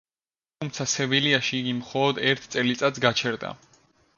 თუმცა სევილიაში იგი მხოლოდ ერთ წელიწადს გაჩერდა.